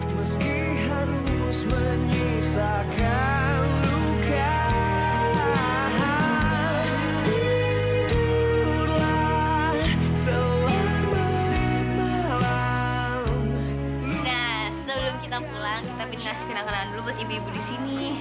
nah sebelum kita pulang kita pindah ke kenang kenangan dulu buat ibu ibu disini